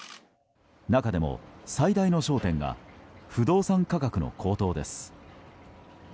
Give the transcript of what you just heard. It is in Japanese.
中でも最大の焦点が不動産価格の高騰です。